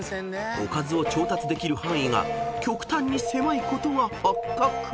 ［おかずを調達できる範囲が極端に狭いことが発覚］